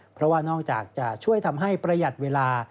เพราะว่านอกจากจะช่วยทำให้ประหยัดเวลา